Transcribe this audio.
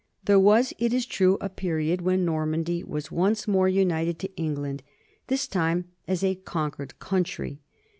There was, it is true, a period when Normandy was once more united to England, this time as a conquered country.